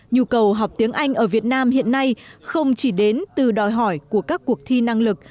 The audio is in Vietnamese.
nhu cầu học tiếng anh ở việt nam hiện nay không chỉ đến từ đòi hỏi của các cuộc thi năng lực